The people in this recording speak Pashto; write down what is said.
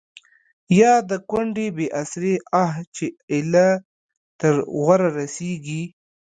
يا َد کونډې بې اسرې آه چې ا يله تر ورۀ رسيږي